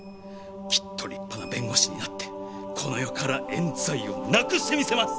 きっと立派な弁護士になってこの世から冤罪をなくしてみせます！